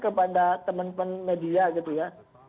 kepada teman teman media gitu ya